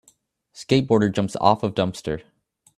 Skateboarder jumps of off dumpster